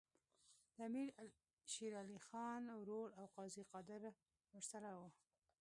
د امیر شېر علي خان ورور او قاضي قادر ورسره وو.